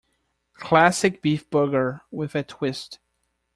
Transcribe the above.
Classic beef burger, with a twist.